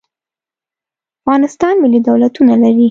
افغانستان ملي دولتونه لري.